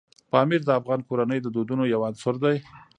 پامیر د افغان کورنیو د دودونو یو عنصر دی.